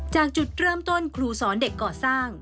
จากจุดเริ่มต้นครูสอนเด็กก่อสร้าง